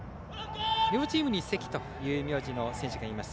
両チームに関という名字の選手がいます。